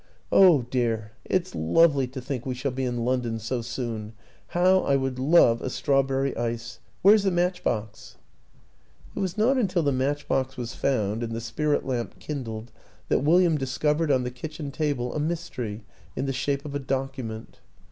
"Oh, dear! it's lovely to think we shall be in London so soon. How I would love a strawberry ice! Where's the match box?" It was not until the match box was found and the spirit lamp kindled that William discovered WILLIAM AN ENGLISHMAN 63 on the kitchen table a mystery in the shape of a document.